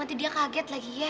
nanti dia kaget lagi ya